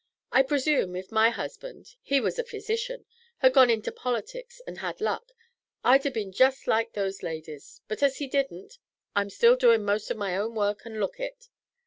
I presume if my husband he was a physician had gone into politics and had luck, I'd have been jest like those ladies; but as he didn't, I'm still doin' most of my own work and look it.